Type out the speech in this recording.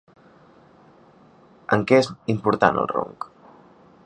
En què és important el ronc?